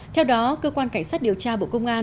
theo đó cơ quan cảnh sát điều tra bộ công an